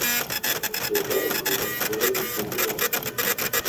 Cet homme est inspiré d'une photo d'archive.